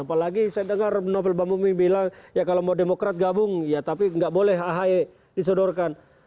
apalagi saya dengar novel bambumi bilang ya kalau mau demokrat gabung ya tapi nggak boleh ahy disodorkan